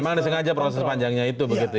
memang ada sengaja proses panjangnya itu begitu ya